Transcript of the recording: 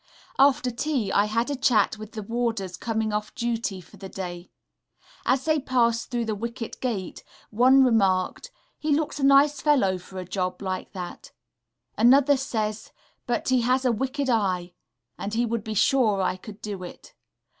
After tea, I had a chat with the warders coming off duty for the day. As they passed through the wicket gate, one remarked, "He looks a nice fellow for a job like that;" another says, "But he has a wicked eye," and he would be sure I could do it....